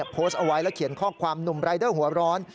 โพสต์เอาไว้แล้วเขียนข้อความหนุ่มรายเดอร์หัวร้อน